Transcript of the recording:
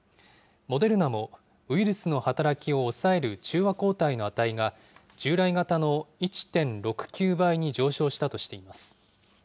モデルナも、ウイルスの働きを抑える中和抗体の値が、従来型の１．６９倍に上昇したとしています。